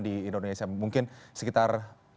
di indonesia mungkin sekitar